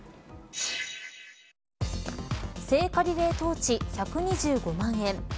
聖火リレートーチ１２５万円。